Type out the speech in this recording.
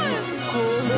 これ。